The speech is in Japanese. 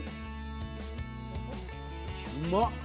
うまっ。